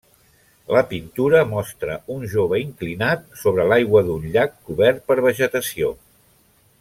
La pintura mostra un jove inclinat sobre l'aigua d'un llac cobert per vegetació.